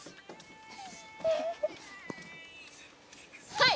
はい！